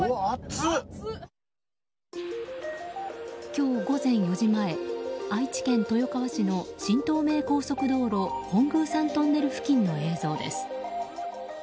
今日午前４時前愛知県豊川市の新東名高速道路本宮山トンネル付近の映像です。